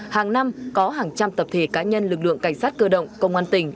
hàng năm có hàng trăm tập thể cá nhân lực lượng cảnh sát cơ động công an tỉnh